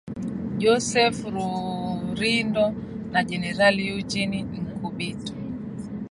Joseph Rurindo na Jenerali Eugene Nkubito